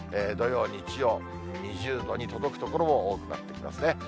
土曜、日曜、２０度に届く所も多くなってきますね。